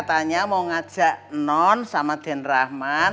katanya mau ngajak non sama den rahman